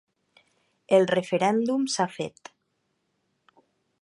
El referèndum s’ha fet.